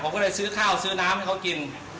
ผมก็เลยซื้อข้าวซื้อน้ำให้เขากิน